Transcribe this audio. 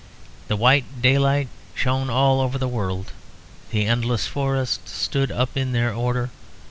The white daylight shone over all the world, the endless forests stood up in their order.